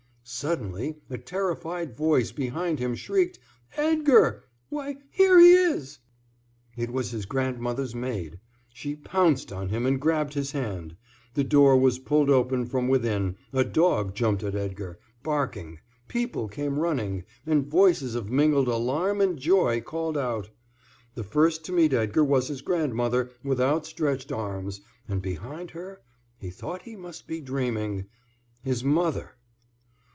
Suddenly a terrified voice behind him shrieked: "Edgar! Why, here he is!" It was his grandmother's maid. She pounced on him and grabbed his hand. The door was pulled open from within, a dog jumped at Edgar, barking, people came running, and voices of mingled alarm and joy called out. The first to meet Edgar was his grandmother with outstretched arms, and behind her he thought he must be dreaming his mother.